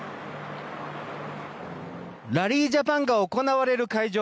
ラリー・ジャパンが行われる会場